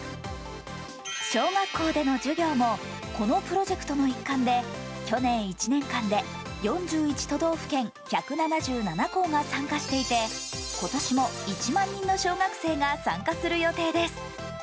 小学校での授業もこのプロジェクトの一環で、去年１年間で４１都道府県１７７校が参加していて、今年も１万人の小学生が参加する予定です。